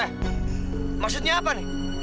eh maksudnya apa nih